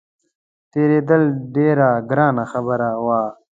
تېرېدل ډېره ګرانه خبره وه.